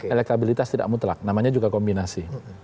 elektabilitas tidak mutlak namanya juga kombinasi